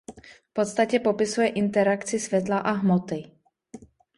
V podstatě popisuje interakci světla a hmoty.